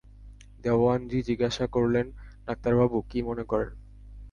দেওয়ানজি জিজ্ঞাসা করলেন, ডাক্তারবাবু, কী মনে করেন?